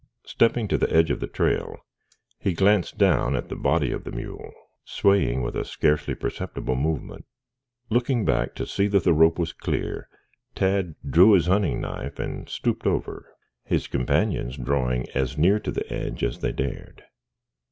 Stepping to the edge of the trail he glanced down at the body of the mule, swaying with a scarcely perceptible movement. Looking back to see that the rope was clear, Tad drew his hunting knife and stooped over, his companions drawing as near to the edge as they dared.